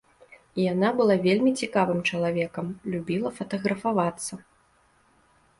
Яна была вельмі цікавым чалавекам, любіла фатаграфавацца.